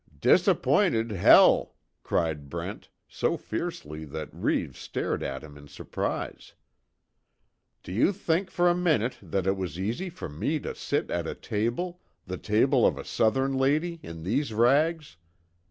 "Disappointed hell!" cried Brent, so fiercely that Reeves stared at him in surprise. "Do you think for a minute that it was easy for me to sit at a table the table of a southern lady in these rags?